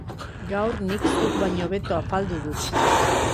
Gaur nik zuk baino hobeto afaldu dut.